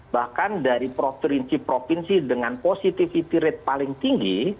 bahkan dari provinsi provinsi dengan positivity rate paling tinggi